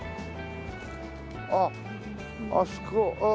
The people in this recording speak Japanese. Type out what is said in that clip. あっあそこああ。